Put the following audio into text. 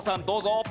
どうぞ。